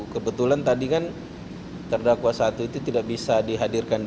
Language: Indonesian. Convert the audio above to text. kebetulan tadi kan terdakwa satu itu tidak bisa dihadirkan